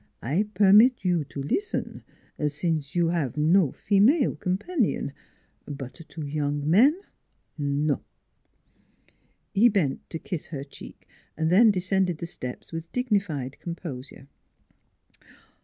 I permit you to listen, since you have no female com panion; but to young men no! " He bent to kiss her cheek; then descended the steps with dignified composure.